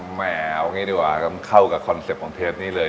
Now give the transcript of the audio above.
แมวง่ายดีกว่าเข้ากับคอนเซ็ปต์ของเทศนี้เลย